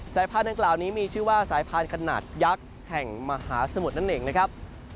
พานดังกล่าวนี้มีชื่อว่าสายพานขนาดยักษ์แห่งมหาสมุทรนั่นเองนะครับ